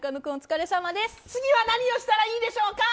次は何をしたらいいでしょうか。